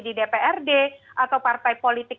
di dprd atau partai politik